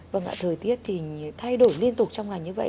vâng ạ thời tiết thì thay đổi liên tục trong ngày như vậy